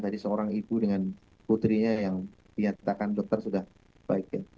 tadi seorang ibu dengan putrinya yang nyatakan dokter sudah baik